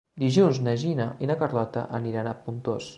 Dilluns na Gina i na Carlota aniran a Pontós.